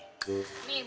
nih buat ncing nih